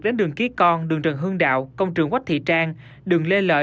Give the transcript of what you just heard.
đến đường ký con đường trần hương đạo công trường quách thị trang đường lê lợi